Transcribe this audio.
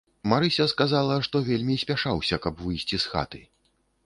Марыся сказала, што вельмі спяшаўся, каб выйсці з хаты.